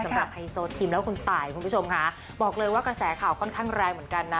ไฮโซทิมและคุณตายคุณผู้ชมค่ะบอกเลยว่ากระแสข่าวค่อนข้างแรงเหมือนกันนะ